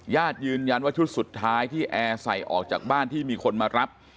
ยืนยันว่าชุดสุดท้ายที่แอร์ใส่ออกจากบ้านที่มีคนมารับ